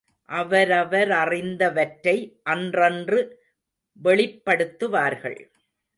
அவரவரறிந்தவற்றை அன்றன்று வெளிப்படுத்துவார்கள்.